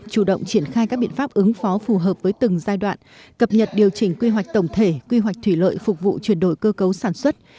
chủ động triển khai các biện pháp ứng phó phù hợp với từng giai đoạn cập nhật điều chỉnh quy hoạch tổng thể quy hoạch thủy lợi phục vụ chuyển đổi cơ cấu sản xuất